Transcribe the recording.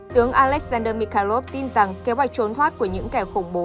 tướng alexander micalov tin rằng kế hoạch trốn thoát của những kẻ khủng bố